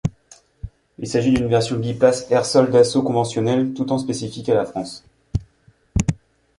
Il s'agit d'une version biplace air-sol d'assaut conventionnel tout temps spécifique à la France.